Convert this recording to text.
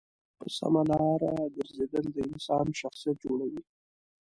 په سمه لاره گرځېدل د انسان شخصیت جوړوي.